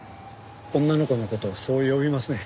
女の子の事をそう呼びますねん。